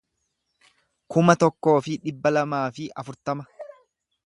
kuma tokkoo fi dhibba lamaa fi afurtama